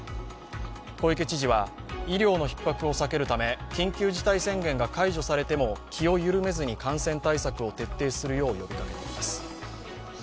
小池知事は、医療のひっ迫を避けるため緊急事態宣言が解除されても気を緩めずに感染対策を徹底するよう呼びかけています。